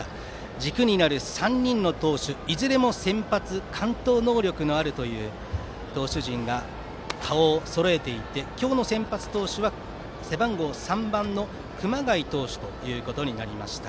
軸になる３人の投手いずれも先発完投能力のあるという投手陣が顔をそろえていて今日の先発投手は背番号３番の熊谷投手となりました。